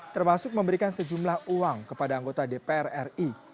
termasuk memberikan sejumlah uang kepada anggota dpr ri